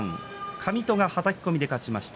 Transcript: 上戸、はたき込みで勝ちました。